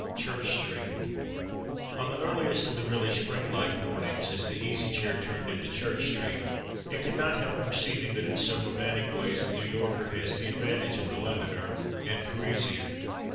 CHURCH STREET On the earliest of the really spring like mornings as the Easy Chair turned into Church Street it could not help perceiving that in some romantic ways the New Yorker has the advantage of the Londoner and Parisian.